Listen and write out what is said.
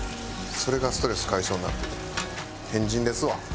それがストレス解消になってて変人ですわ。